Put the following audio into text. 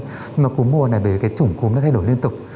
nhưng mà cúng mùa này bởi vì cái chủng cúng nó thay đổi liên tục